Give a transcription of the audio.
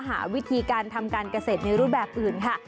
หาวิธีการทำการเกษตรในรูปแบบอื่นค่ะ